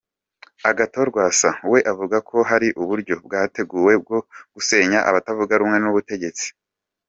Agathon Rwasa we avuga ko ari uburyo bwateguwe bwo gusenya abatavuga rumwe n’ubutegetsi.